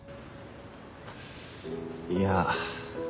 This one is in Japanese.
いや。